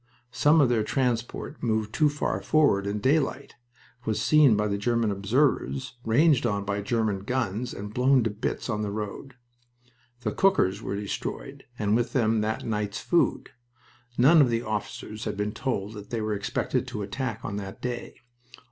Some of their transport moved too far forward in daylight, was seen by German observers, ranged on by German guns, and blown to bits on the road. The cookers were destroyed, and with them that night's food. None of the officers had been told that they were expected to attack on that day.